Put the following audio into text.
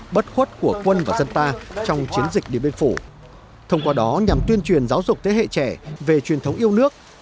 bất khuất của quân và dân ta trong chiến dịch điện biên phủ thông qua đó nhằm tuyên truyền giáo dục thế hệ trẻ về truyền thống yêu nước